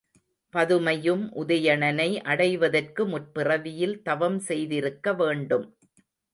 பதுமையும் உதயணனை அடைவதற்கு முற்பிறவியில் தவம் செய்திருக்க வேண்டும்.